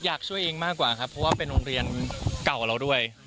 อยากช่วยเองมากกว่าครับเพราะว่าเป็นโรงเรียนเก่าเราด้วย